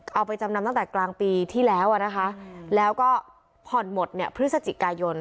เอาไปจำนำตั้งแต่กลางปีที่แล้วอ่ะนะคะแล้วก็ผ่อนหมดเนี่ยพฤศจิกายน